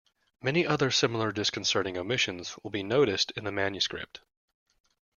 Many other similar disconcerting omissions will be noticed in the Manuscript.